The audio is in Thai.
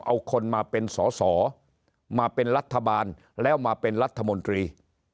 เอาคนมาเป็นสอสอมาเป็นรัฐบาลแล้วมาเป็นรัฐมนตรี